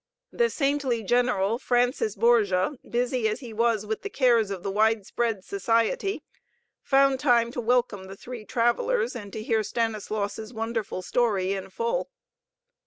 The saintly General Francis Borgia, busy as he was with the cares of the widespread Society, found time to welcome the three travelers, and to hear Stanislaus' wonderful story in full.